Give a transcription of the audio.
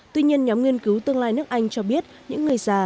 tuy nhiên nhóm nghiên cứu tương lai nước anh cho biết những người già